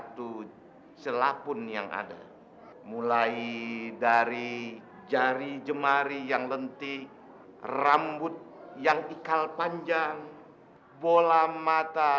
satu celah pun yang ada mulai dari jari jemari yang lentik rambut yang ikal panjang bola mata